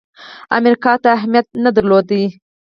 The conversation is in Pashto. امریکا ته اهمیت نه درلود.